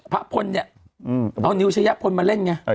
พระพลเนี่ยเอานิวชะยะพลมาเล่นไง